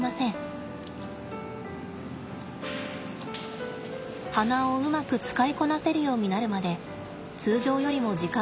鼻をうまく使いこなせるようになるまで通常よりも時間がかかったといいます。